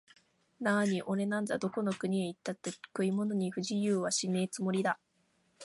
なあにおれなんざ、どこの国へ行ったって食い物に不自由はしねえつもりだ